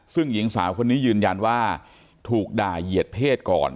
ซึ่งหญิงสาวคนนี้ยืนยันว่าถูกด่าเหยียดเพศก่อน